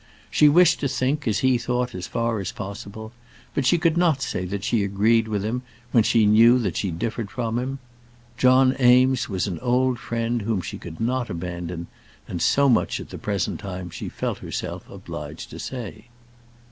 She wished to think as he thought as far as possible, but she could not say that she agreed with him when she knew that she differed from him. John Eames was an old friend whom she could not abandon, and so much at the present time she felt herself obliged to say.